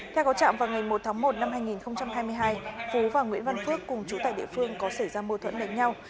theo có trạm vào ngày một tháng một năm hai nghìn hai mươi hai phú và nguyễn văn phước cùng chú tại địa phương có xảy ra mô thuẫn lệnh nhau